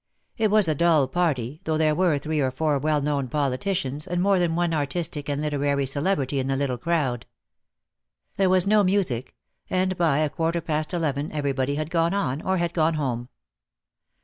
It was a dull party, though there were three or four well known politicians and more than one artistic and literary celebrity in the little crowd. There was no music, and by a quarter past eleven everybody had gone on, or had gone home.